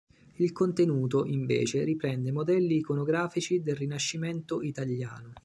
Il contenuto, invece, riprende modelli iconografici del Rinascimento italiano.